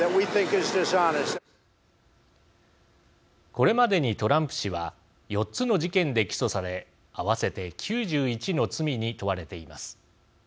これまでにトランプ氏は４つの事件で起訴され合わせて９１の罪に問われています。